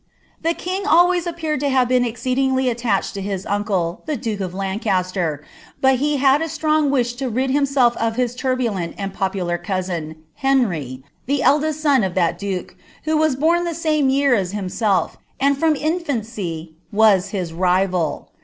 The king always appears to have been exceedingly ailarhed to his ■acl«, tlie duke of Lancasieri but he had a strong wish to rid hiinsetT of hia turbulent and popular cousin, Henry, the eldest son of llial duke, who wa* bom the same year aa himself, and from infancy was his rival.